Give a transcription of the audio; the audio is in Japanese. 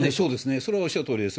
それはおっしゃるとおりです。